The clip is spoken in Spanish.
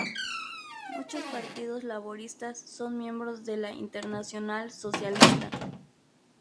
Muchos partidos laboristas son miembros de la Internacional Socialista.